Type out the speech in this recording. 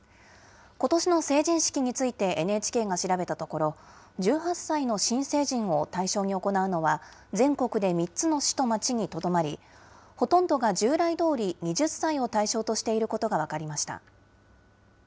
ことしの成人式についてＮＨＫが調べたところ、１８歳の新成人を対象に行うのは、全国で３つの市と町にとどまり、ほとんどが従来どおり、２０歳を対象としていることが分かりました。